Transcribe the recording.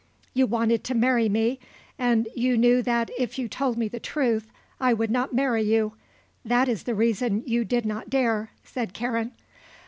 "You wanted to marry me and you knew that if you told me the truth I would not marry you; that is the reason you did not dare," said Karen.